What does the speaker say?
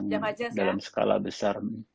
yang dalam skala besar